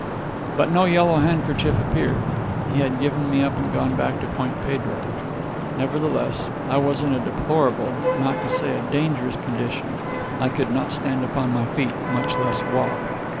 But no Yellow Handkerchief appeared. He had given me up and gone back to Point Pedro. Nevertheless, I was in a deplorable, not to say a dangerous, condition. I could not stand upon my feet, much less walk.